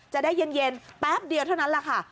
จะได้เย็นแป๊บเดียวเท่านั้นแหละค่ะ